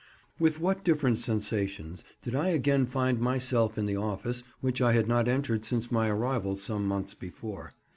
With what different sensations did I again find myself in the office which I had not entered since my arrival some months before.